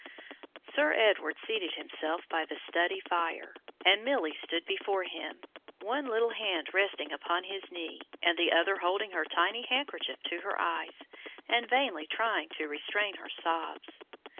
Sir Edward seated himself by the study fire, and Milly stood before him, one little hand resting upon his knee and the other holding her tiny handkerchief to her eyes, and vainly trying to restrain her sobs.